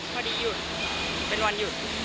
พอดีหยุดเป็นวันหยุด